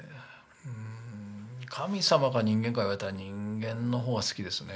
神様か人間か言われたら人間の方が好きですね。